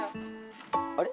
あれ？